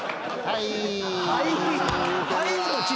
「はい」